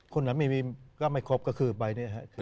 คนหลังไม่มีก็ไม่ครบก็คือใบเนี่ยครับ